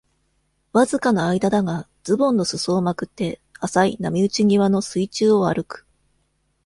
わずかの間だが、ズボンの裾をまくって、浅い波打ち際の水中を歩く。